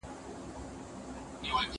شپه د پرخي په قدم تر غېږي راغلې